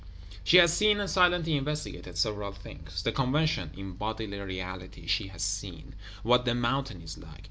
She has seen and silently investigated several things. The Convention, in bodily reality, she has seen; what the Mountain is like.